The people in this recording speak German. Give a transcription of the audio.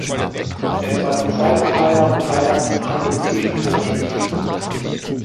Es war die zweite Teilnahme Thailands an Olympischen Winterspielen.